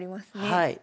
はい。